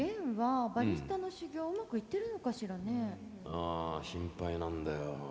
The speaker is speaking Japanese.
ああ心配なんだよ。